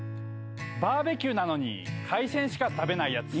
バーベキューなのに海鮮しか食べないやつ。